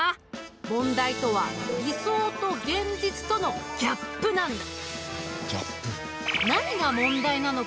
問題とは理想と現実とのギャップなんだ。